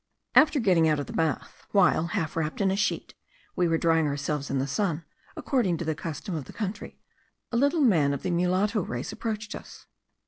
After getting out of the bath, while, half wrapped in a sheet, we were drying ourselves in the sun, according to the custom of the country, a little man of the mulatto race approached us.